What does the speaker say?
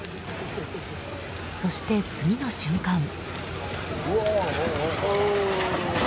そして、次の瞬間。